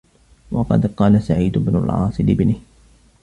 وَقَدْ قَالَ سَعِيدُ بْنُ الْعَاصِ لِابْنِهِ